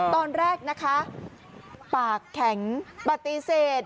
ตอนแรกนะคะปากแข็งปฏิเสธ